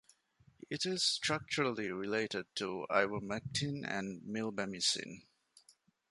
It is structurally related to ivermectin and milbemycin.